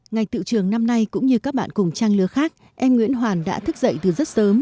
ngày tự trường năm nay cũng như các bạn cùng trang lứa khác em nguyễn hoàn đã thức dậy từ rất sớm